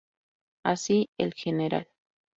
Así, el Gral.